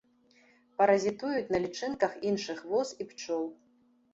Паразітуюць на лічынках іншых вос і пчол.